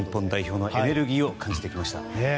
日本代表のエネルギーを感じてきました。